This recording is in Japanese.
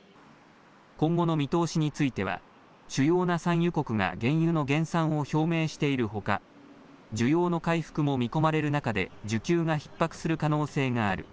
今後の見通しについては、主要な産油国が原油の減産を表明しているほか、需要の回復も見込まれる中で、需給がひっ迫する可能性がある。